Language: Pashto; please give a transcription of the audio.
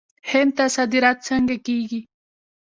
هند ته صادرات څنګه کیږي؟